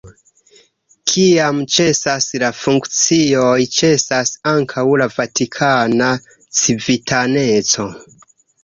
Kiam ĉesas la funkcioj, ĉesas ankaŭ la vatikana civitaneco.